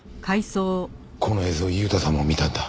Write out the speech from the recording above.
この映像悠太さんも見たんだ。